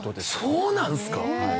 そうなんですか？